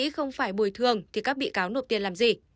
suy nghĩ không phải bồi thường thì các bị cáo nộp tiền làm gì